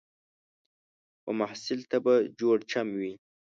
و محصل ته به جوړ چم وي